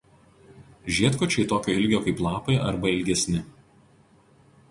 Žiedkočiai tokio ilgio kaip lapai arba ilgesni.